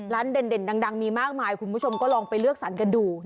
เด่นดังมีมากมายคุณผู้ชมก็ลองไปเลือกสรรกันดู